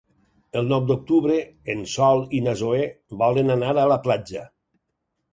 El nou d'octubre en Sol i na Zoè volen anar a la platja.